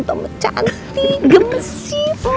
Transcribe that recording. sama cantik gemesin